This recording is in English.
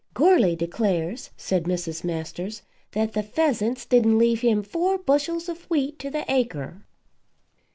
"Goarly declares," said Mrs. Masters, "that the pheasants didn't leave him four bushels of wheat to the acre."